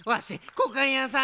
こうかんやさん！